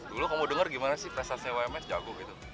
dulu kamu dengar gimana sih prestasinya ums jago gitu